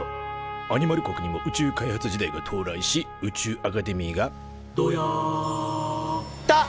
アニマル国にも宇宙開発時代が到来し宇宙アカデミーが「ドヤァ」と誕生。